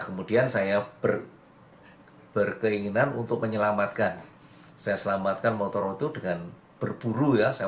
kemudian saya berkeinginan untuk menyelamatkan saya selamatkan motor itu dengan berburu ya saya